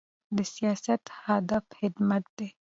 د سیاست هدف خدمت دی